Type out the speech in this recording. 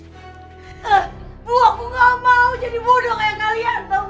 aku gak mau jadi bodoh kaya kalian tau gak